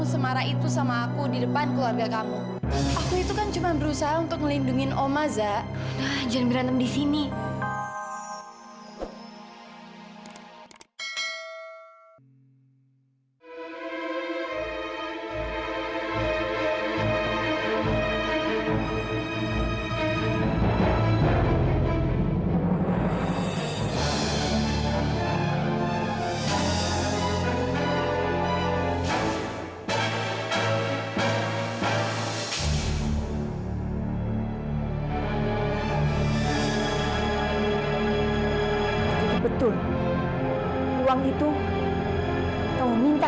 sampai jumpa di video selanjutnya